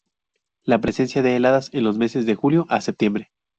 La presencia de heladas en los mes de Julio a Setiembre.